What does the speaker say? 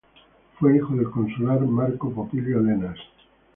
Fue hijo del consular Marco Popilio Lenas.